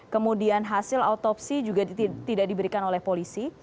kemudian hasil autopsi juga tidak diberikan oleh polisi